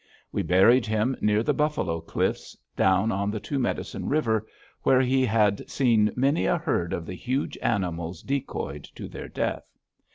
We buried him near the buffalo cliffs, down on the Two Medicine River, where he had seen many a herd of the huge animals decoyed to their death.